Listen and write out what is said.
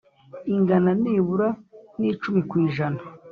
ingana nibura n’icumi ku ijana